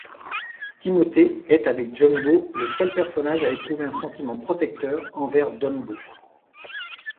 Timothée est avec Jumbo le seul personnage à éprouver un sentiment protecteur envers Dumbo.